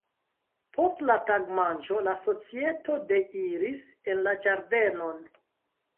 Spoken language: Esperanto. Post la tagmanĝo la societo deiris en la ĝardenon.